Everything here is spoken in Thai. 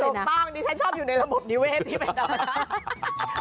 ถูกต้องดิฉันชอบอยู่ในระบบนิเวศที่เป็นธรรมชาติ